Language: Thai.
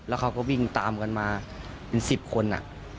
แล้วเขาก็วิ่งตามกันมาเป็น๑๐คน